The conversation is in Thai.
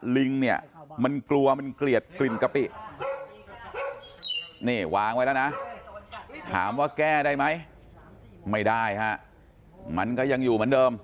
ลิงเนี่ยมันกลัวมันเกลียดกลิ่นกะปิเน่ว้างให้ละนะถามว่าแก้ได้ไหมไม่ได้ฮะมันก็ยังอยู่